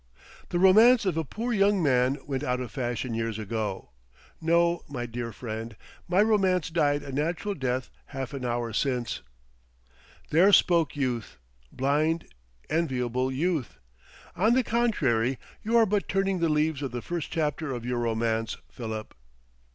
"The Romance of a Poor Young Man went out of fashion years ago.... No, my dear friend; my Romance died a natural death half an hour since." "There spoke Youth blind, enviable Youth!... On the contrary, you are but turning the leaves of the first chapter of your Romance, Philip."